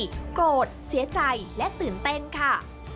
โกรธเสียใจและตื่นเต้นค่ะ